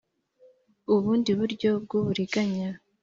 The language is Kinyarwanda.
ubundi buryo bw uburiganya